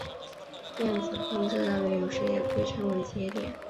电子控制单元有时也被称作节点。